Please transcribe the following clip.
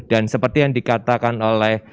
dan seperti yang dikatakan oleh